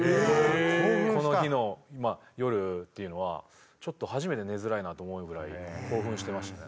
この日の夜っていうのはちょっと初めて寝づらいなと思うぐらい興奮してましたね。